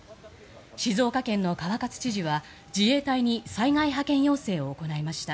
静岡県の川勝知事は、自衛隊に災害派遣要請を行いました。